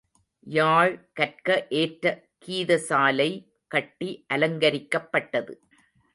யாழ் கற்க ஏற்ற கீதசாலை கட்டி அலங்கரிக்கப்பட்டது.